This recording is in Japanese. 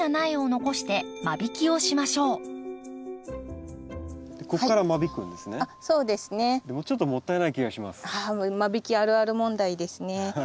あ間引きあるある問題ですね。